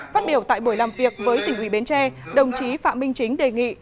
phát biểu tại buổi làm việc với tỉnh ủy bến tre đồng chí phạm minh chính đề nghị